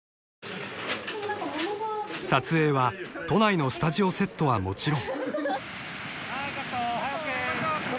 ［撮影は都内のスタジオセットはもちろん］はいカット。